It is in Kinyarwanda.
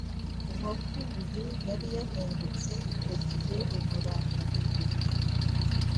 Uwaguye yari yahindutse icyo gihe uburakari bwe